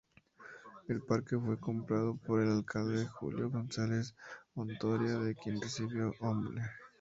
El parque fue comprado por el alcalde Julio González Hontoria, de quien recibió nombre.